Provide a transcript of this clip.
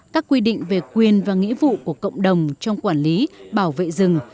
các quy định về quyền và nghĩa vụ của cộng đồng trong quản lý bảo vệ rừng